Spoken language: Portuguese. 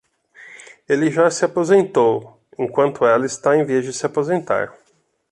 Ele já se aposentou, enquanto ela está em vias de se aposentar